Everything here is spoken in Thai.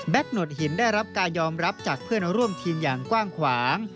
หนวดหินได้รับการยอมรับจากเพื่อนร่วมทีมอย่างกว้างขวาง